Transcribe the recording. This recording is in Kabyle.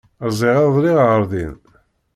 Rziɣ iḍelli ɣer din.